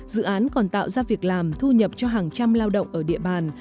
dự án còn tạo ra việc làm thu nhập cho hàng trăm lao động ở địa bàn